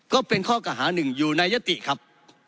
ก็เป็นข้อกล่าหาหนึ่งอยู่ในยติครับ